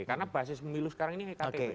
karena basis pemilu sekarang ini ektp